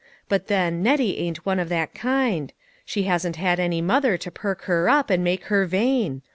But then, Nettie ain't one of that kind. She hasn't had any mother to perk her up and make her vain.